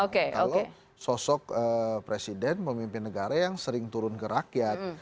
kalau sosok presiden pemimpin negara yang sering turun ke rakyat